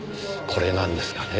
これなんですがね。